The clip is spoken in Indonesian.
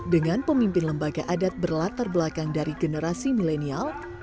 dengan pemimpin lembaga adat berlatar belakang dari generasi milenial